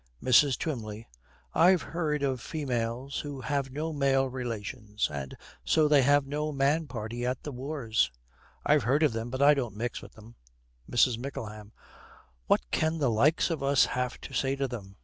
MRS. TWYMLEY. 'I've heard of females that have no male relations, and so they have no man party at the wars. I've heard of them, but I don't mix with them.' MRS. MICKLEHAM. 'What can the likes of us have to say to them?